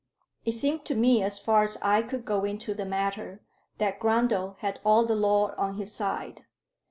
It seemed to me, as far as I could go into the matter, that Grundle had all the law on his side.